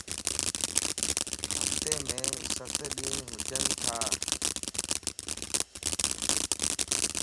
ھفتي مَ ستَ ڏينھن ھونجنتا